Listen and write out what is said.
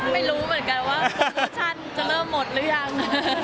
ไม่รู้เหมือนกันว่าโปรโมชั่นจะเริ่มหมดหรือยัง